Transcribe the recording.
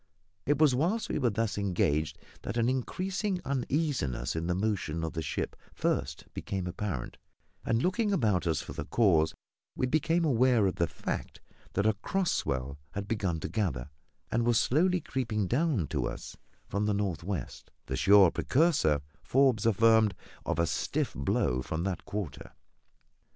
It was whilst we were thus engaged that an increasing uneasiness in the motion of the ship first became apparent; and looking about us for the cause, we became aware of the fact that a cross swell had begun to gather, and was slowly creeping down to us from the north west the sure precursor, Forbes affirmed, of a stiff blow from that quarter.